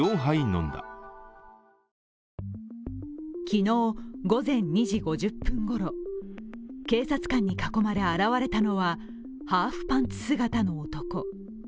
昨日午前２時５０分ごろ、警察官に囲まれ現れたのはハーフパンツ姿の男。